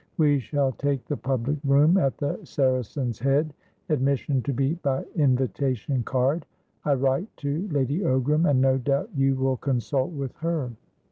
We shall take the public room at the Saracen's Head. Admission to be by invitation card. I write to Lady Ogram, and no doubt you will consult with her."